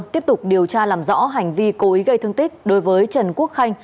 tiếp tục điều tra làm rõ hành vi cố ý gây thương tích đối với trần quốc khanh